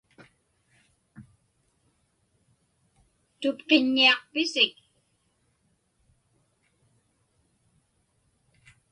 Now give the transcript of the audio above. Tupqiññiaqpisik?